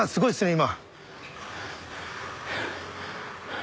今。